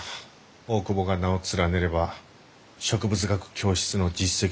大窪が名を連ねれば植物学教室の実績ともなるぞ。